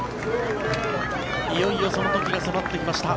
いよいよその時が迫ってきました。